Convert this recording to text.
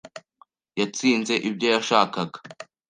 Yatsinze ibyo yashakaga.